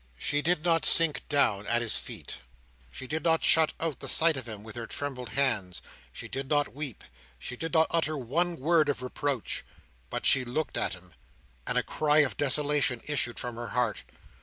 She did not sink down at his feet; she did not shut out the sight of him with her trembling hands; she did not weep; she did not utter one word of reproach. But she looked at him, and a cry of desolation issued from her heart.